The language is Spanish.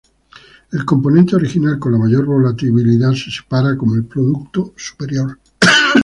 El componente original con la mayor volatilidad se separa como el producto superior.